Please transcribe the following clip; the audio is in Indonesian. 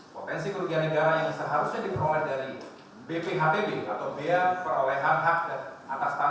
potensi kerugian negara yang seharusnya diperoleh dari bphtb atau biaya perolehan hak atas tanah